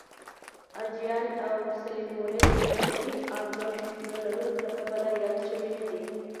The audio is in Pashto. الجیان او سلیمولد د طبی ارزښت نه لرلو له کبله یاد شوي نه دي.